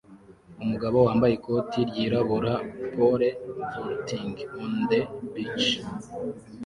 Umugabo wambaye ikoti ryirabura pole-vaulting on the beach